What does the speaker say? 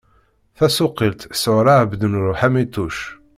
Tasuqqilt sɣur Ɛebdnnur Ḥamituc.